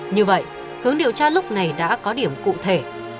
như vậy hướng điều tra lúc này đã có điểm cụ thể